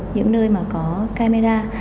những nơi mà có camera